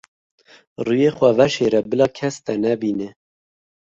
Rûyê xwe veşêre bila kes te nebîne.